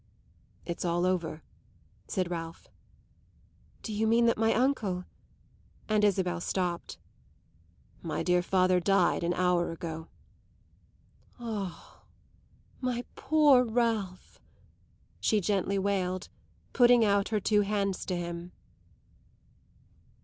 "It's all over," said Ralph. "Do you mean that my uncle...?" And Isabel stopped. "My dear father died an hour ago." "Ah, my poor Ralph!" she gently wailed, putting out her two hands to him.